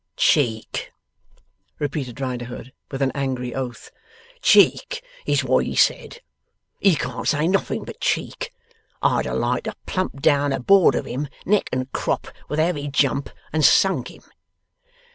'Cheek,' repeated Riderhood, with an angry oath; 'cheek is what he said. He can't say nothing but cheek. I'd ha' liked to plump down aboard of him, neck and crop, with a heavy jump, and sunk him.